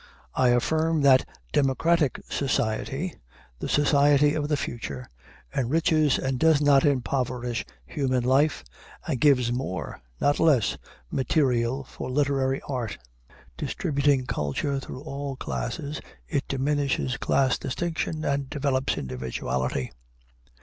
I affirm that democratic society, the society of the future, enriches and does not impoverish human life, and gives more, not less, material for literary art. Distributing culture through all classes, it diminishes class distinction and develops individuality.